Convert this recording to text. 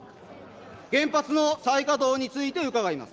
原発の再稼働について伺います。